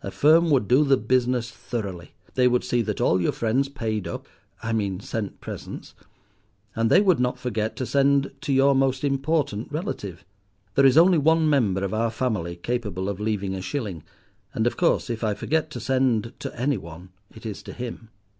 A firm would do the business thoroughly. They would see that all your friends paid up—I mean sent presents; and they would not forget to send to your most important relative. There is only one member of our family capable of leaving a shilling; and of course if I forget to send to any one it is to him.